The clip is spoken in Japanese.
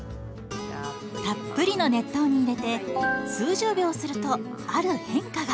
たっぷりの熱湯に入れて数十秒するとある変化が。